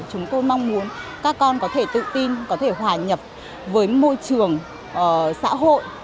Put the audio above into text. chúng tôi mong muốn các con có thể tự tin có thể hòa nhập với môi trường xã hội